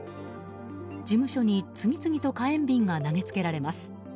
事務所に次々と火炎瓶が投げつけられます。